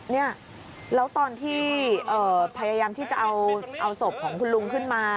เนี่ยแล้วตอนที่พยายามที่จะเอาศพของคุณลุงขึ้นมา